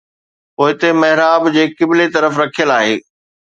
پوئتي محراب جي قبلي طرف رکيل آهي